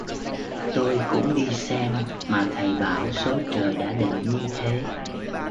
tôi cũng đi xem mà thầy bảo số trời đã định như thế